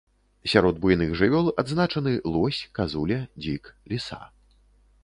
Сярод буйных жывёл адзначаны лось, казуля, дзік, ліса.